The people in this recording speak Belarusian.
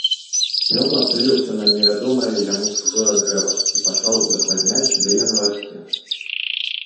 Ён нацэліўся на невядомае яму чужое дрэва і пачаў удакладняць, дзе яно расце.